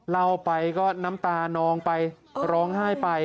เล่าไปก็น้ำตานองไปร้องไห้ไป